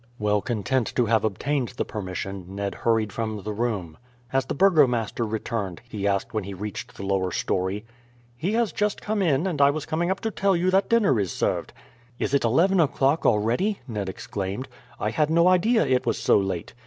Well content to have obtained the permission Ned hurried from the room. "Has the burgomaster returned?" he asked when he reached the lower storey. "He has just come in, and I was coming up to tell you that dinner is served." "Is it eleven o'clock already?" Ned exclaimed. "I had no idea it was so late."